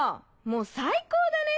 もう最高だね